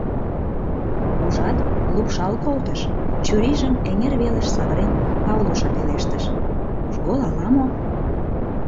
Ужат, лупшал колтыш, — чурийжым эҥер велыш савырен, Павлуша пелештыш, — нужгол ала-мо...